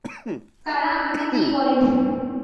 কারা আমাকে কী বলেনি?